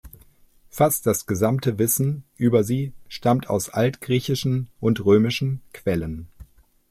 Fast das gesamte Wissen über sie stammt aus altgriechischen und römischen Quellen.